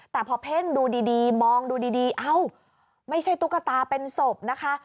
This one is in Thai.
แต่พอเพ่งดูดีมองดูดีเอ้าไม่ใช่ตุ๊กตาเป็นศพนะคะ